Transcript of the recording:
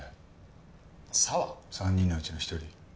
３人のうちの１人。